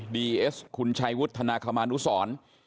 เอสคุณชัยวุฒนาคมานุสร